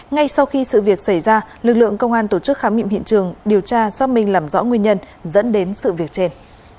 ngay sau khi sự việc xảy ra lực lượng công an tổ chức khám nghiệm hiện trường điều tra xác minh làm rõ nguyên nhân dẫn đến sự việc trên